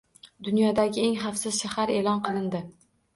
Dunyodagi eng xavfsiz shahar e’lon qilindi